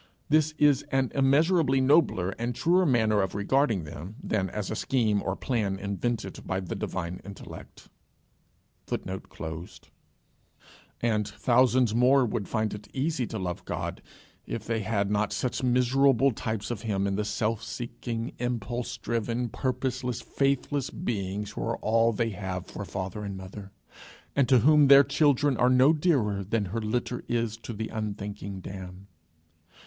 This is an immeasurably nobler and truer manner of regarding them than as a scheme or plan invented by the divine intellect.] And thousands more would find it easy to love God if they had not such miserable types of him in the self seeking, impulse driven, purposeless, faithless beings who are all they have for father and mother, and to whom their children are no dearer than her litter is to the unthinking dam.